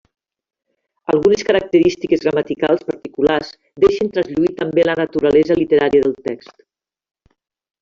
Algunes característiques gramaticals particulars deixen traslluir també la naturalesa literària del text.